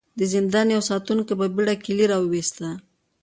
د زندان يوه ساتونکي په بېړه کيلې را وايسته.